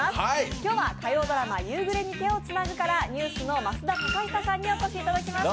今日は火曜ドラマ「夕暮れに、手をつなぐ」からＮＥＷＳの増田貴久さんにお越しいただきました。